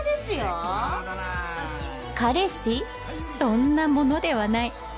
そんなものではない